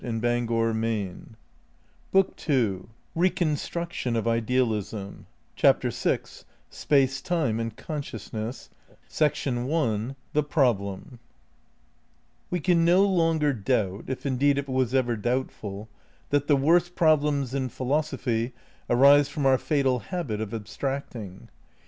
END OF BOOK ONE BOOK TWO RECONSTRUCTION OF IDEALISM VI SPACE, TIME AND CONSCIOUSNESS i We can no longer doubt (if indeed it was ever doubt ful) that the worst problems in philosophy arise from The our fatal habit of abstracting.